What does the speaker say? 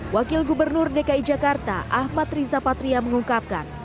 wakil gubernur dki jakarta ahmad riza patria mengungkapkan